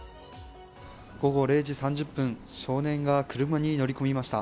午後０時３０分、少年が車に乗り込みました。